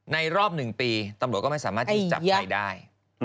รอบ๑ปีตำรวจก็ไม่สามารถที่จับใครได้